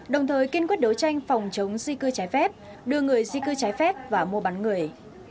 đồng thời kiên quyết đấu tranh phòng chống di cư trái phép đưa người di cư trái phép và mua bán người